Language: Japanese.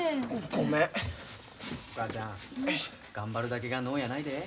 お母ちゃん頑張るだけが能やないで。